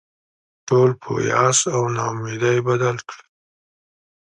ټول په یاس او نا امیدي بدل کړل.